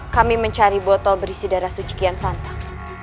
kami mencari botol berisi darah suci kian santan